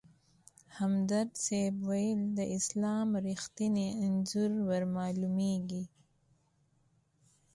همدرد صیب ویل: د اسلام رښتیني انځور ورمالومېږي.